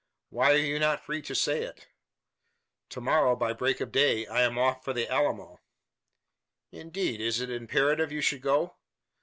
Why are you not free to say it?" "To morrow, by break of day, I am off for the Alamo." "Indeed! Is it imperative you should go?"